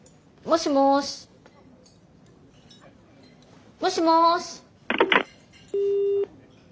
もしもし。